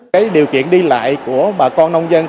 cái điều kiện đi lại của bà con nông dân